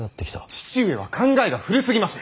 父上は考えが古すぎます！